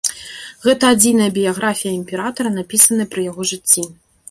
Гэта адзіная біяграфія імператара, напісаная пры яго жыцці.